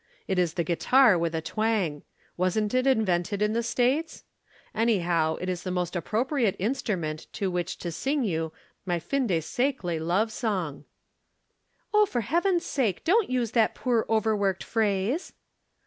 It is the guitar with a twang. Wasn't it invented in the States? Anyhow it is the most appropriate instrument to which to sing you my Fin de Siècle Love Song." "For Heaven's sake, don't use that poor overworked phrase!"